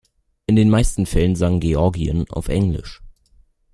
In den meisten Fällen sang Georgien auf Englisch.